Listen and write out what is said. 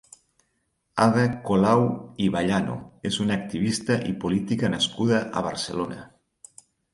Ada Colau i Ballano és una activista i política nascuda a Barcelona.